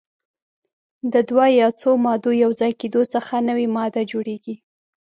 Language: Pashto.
د دوه یا څو مادو یو ځای کیدو څخه نوې ماده جوړیږي.